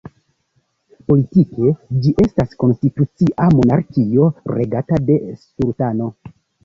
Politike ĝi estas konstitucia monarkio, regata de sultano.